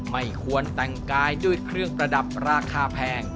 ไม่ควรแต่งกายด้วยเครื่องประดับราคาแพง